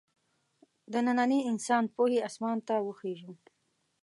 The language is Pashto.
د ننني انسان پوهې اسمان ته وخېژو.